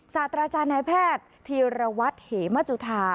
ศาสตราจารย์นายแพทย์ธีรวัตรเหมจุธา